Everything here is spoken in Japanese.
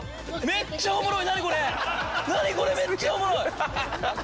めっちゃおもろい！